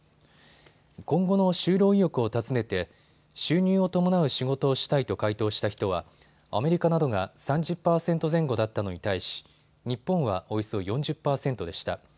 今後の就労意欲を尋ねて収入を伴う仕事をしたいと回答した人はアメリカなどが３０％前後だったのに対し日本はおよそ４０％でした。